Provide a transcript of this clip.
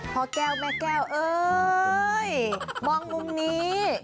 พ่อแก้วแม่แก้วเอ้ยมองมุมนี้